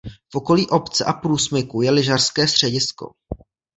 V okolí obce a průsmyku je lyžařské středisko.